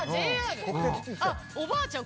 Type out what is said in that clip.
おばあちゃん